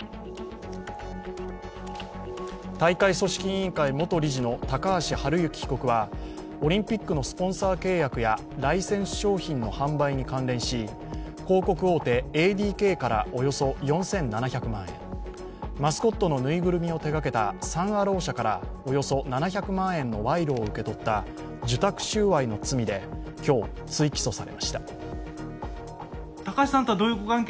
大会組織委員会元理事の高橋治之被告はオリンピックのスポンサー契約やライセンス商品の販売に関連し広告大手ＡＤＫから、およそ４７００万円マスコットのぬいぐるみを手がけたサン・アロー社からおよそ７００万円の賄賂を受け取った受託収賄の罪で今日、追起訴されました。